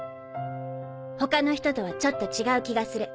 他の人とはちょっと違う気がする。